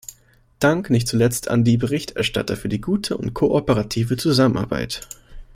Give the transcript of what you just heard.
Dank nicht zuletzt an die Berichterstatter für die gute und kooperative Zusammenarbeit.